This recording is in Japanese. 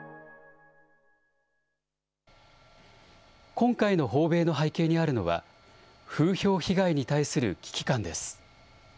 今回の訪米の背景にあるのは、風評被害に対する危機感です。